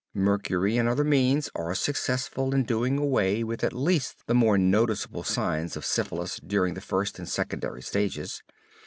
Mercury and other means are successful in doing away with at least the more noticeable signs of syphilis during the first and secondary stages.